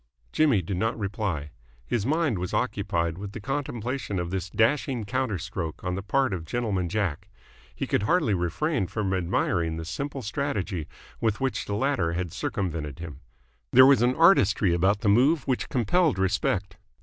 Jimmy did not reply. His mind was occupied with the contemplation of this dashing counter stroke on the part of Gentleman Jack. He could hardly refrain from admiring the simple strategy with which the latter had circumvented him. There was an artistry about the move which compelled respect.